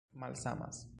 malsamas